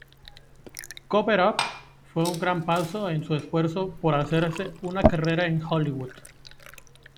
Cover-Up fue un gran paso en su esfuerzo por hacerse una carrera en Hollywood.